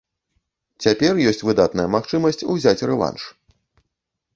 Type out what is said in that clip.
Цяпер ёсць выдатная магчымасць узяць рэванш.